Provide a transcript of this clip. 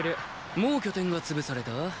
もう拠点がつぶされた？